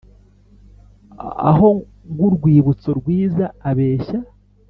aho nk'urwibutso rwiza abeshya,